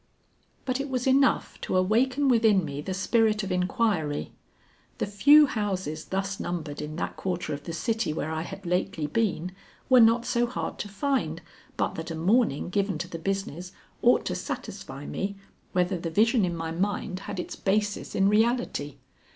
But it was enough to awaken within me the spirit of inquiry. The few houses thus numbered in that quarter of the city where I had lately been, were not so hard to find but that a morning given to the business ought to satisfy me whether the vision in my mind had its basis in reality.